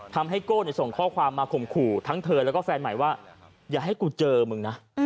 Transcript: โก้ส่งข้อความมาข่มขู่ทั้งเธอแล้วก็แฟนใหม่ว่าอย่าให้กูเจอมึงนะ